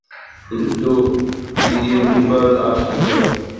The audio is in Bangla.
কিন্তু দিদির উঠিবার আর সাধ্য নাই।